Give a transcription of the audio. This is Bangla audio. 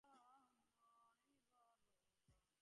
আপনি ঠিক আছেন?